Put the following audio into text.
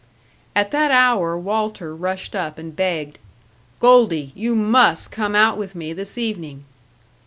At that hour Walter rushed up and begged, "Goldie, you must come out with me this evening."